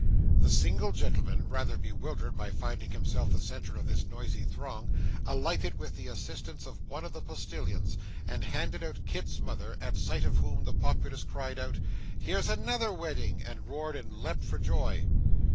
The single gentleman, rather bewildered by finding himself the centre of this noisy throng, alighted with the assistance of one of the postilions, and handed out Kit's mother, at sight of whom the populace cried out, 'Here's another wedding!' and roared and leaped for joy.